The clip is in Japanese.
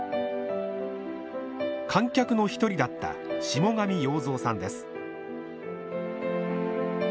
観客の一人だった下神洋造さんです。